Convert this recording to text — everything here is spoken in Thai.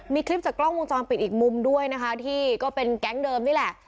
มีคลิปจากกล้องวงจรปิดอีกมุมด้วยนะคะที่ก็เป็นแก๊งเดิมนี่แหละ